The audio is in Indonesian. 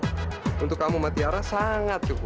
tapi kalau sama kak tiara sangat cukup